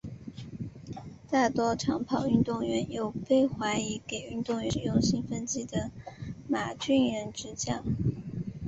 大多长跑运动员由被怀疑给运动员使用兴奋剂的马俊仁执教。